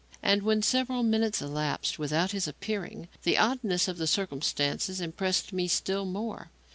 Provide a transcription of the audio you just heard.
And when several minutes elapsed without his appearing, the oddness of the circumstance impressed me still more.